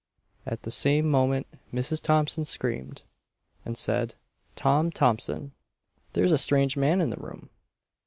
At the same moment Mrs. Thompson screamed, and said, "Tom Thompson, there's a strange man in the room!"